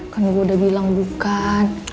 kan gue udah bilang bukan